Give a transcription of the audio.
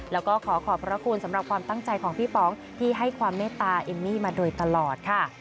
แล้วก็ขอขอบพระคุณสำหรับความตั้งใจของพี่ป๋องที่ให้ความเมตตาเอมมี่มาโดยตลอดค่ะ